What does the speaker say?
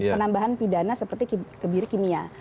penambahan pidana seperti kebiri kimia